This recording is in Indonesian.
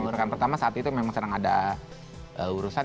rekan pertama saat itu memang sedang ada urusan